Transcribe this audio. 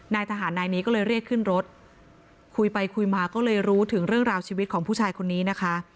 นายทหารนายนี้ก็เลยเรียกขึ้นรถคุยไปคุยมาก็เลยรู้ถึงเรื่องราวชีวิตของผู้ชายคนนี้นะคะ